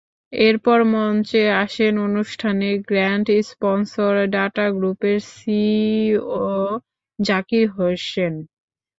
এরপর মঞ্চে আসেন অনুষ্ঠানের গ্র্যান্ড স্পনসর ডাটা গ্রুপের সিইও জাকির হোসেইন।